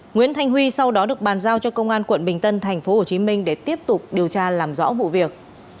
nguyễn thanh huy sau đó được bàn giao cho công an quận bình tân tp hcm để tiếp tục điều tra làm rõ vụ việc